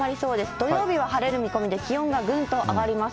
土曜日は晴れる見込みで、気温がぐんと上がります。